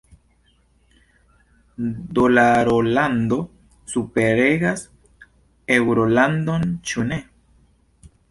Dolarolando superregas eŭrolandon – ĉu ne?